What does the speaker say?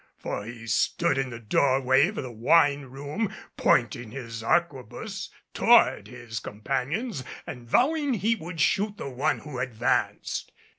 For he stood in the doorway of the wine room pointing his arquebuse toward his companions and vowing he would shoot the one who advanced.